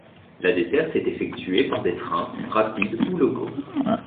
La desserte est effectuée par des trains, rapides ou locaux.